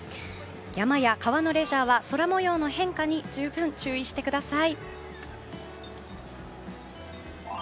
山や川のレジャーは空模様の変化に十分注意してください。